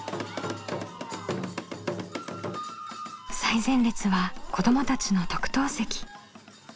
最前列は子どもたちの特等席。